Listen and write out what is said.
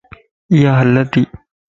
اِيا هلّا تي